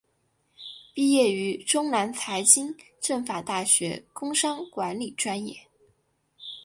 毕业于中南财经政法大学工商管理专业。